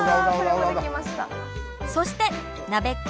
そしてなべっこ